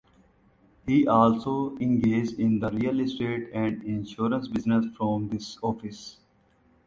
He also engaged in the real estate and insurance business from this office.